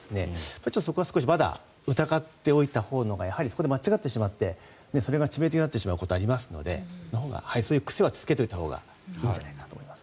そこは少しまだ疑っておいたほうがそこで間違ってしまってそれが致命的になってしまうことがありますのでそういう癖はつけておいたほうがいいんじゃないかなと思います。